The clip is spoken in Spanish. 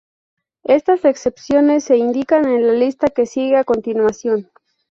Estas excepciones se indican en la lista que sigue a continuación.